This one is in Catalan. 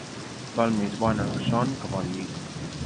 Val més bona son que bon llit.